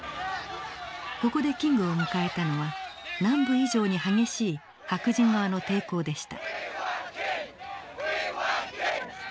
ここでキングを迎えたのは南部以上に激しい白人側の抵抗でした。